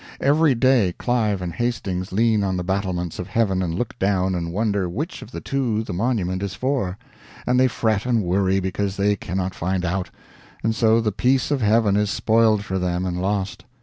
Every day Clive and Hastings lean on the battlements of heaven and look down and wonder which of the two the monument is for; and they fret and worry because they cannot find out, and so the peace of heaven is spoiled for them and lost.